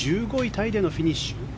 タイでのフィニッシュ。